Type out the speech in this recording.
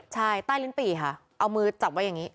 ใช่ใต้ลิ้นปี่ค่ะเอามือจับไว้อย่างนี้